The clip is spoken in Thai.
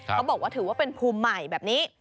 เขาบอกว่าถือว่าเป็นภูมิใหม่แบบนี้